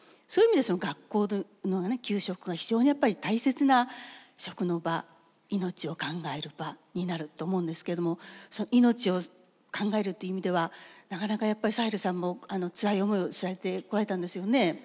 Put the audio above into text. そういう意味でその学校の給食が非常にやっぱり大切な食の場命を考える場になると思うんですけれども「命を考える」って意味ではなかなかやっぱりサヘルさんもつらい思いをされてこられたんですよね。